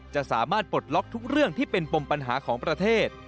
จะสามารถปลดล็อกทุกเรื่องที่เป็นปมปัญหาของประเทศ